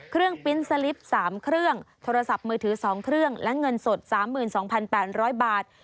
ปริ้นต์สลิป๓เครื่องโทรศัพท์มือถือ๒เครื่องและเงินสด๓๒๘๐๐บาท